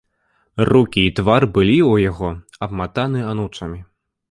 Рукі і твар былі ў яго абматаны анучамі.